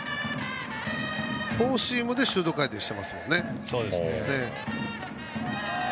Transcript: フォーシームでシュート回転しますね。